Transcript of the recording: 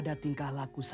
tuhan yang menjaga kita